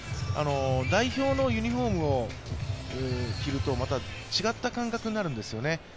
代表のユニフォームを着るとまた違った感覚になるんですよね。